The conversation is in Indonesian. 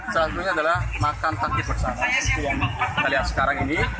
salah satunya adalah makan tangki bersama seperti yang kita lihat sekarang ini